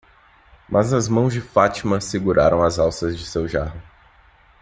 Mas as mãos de Fátima seguraram as alças de seu jarro.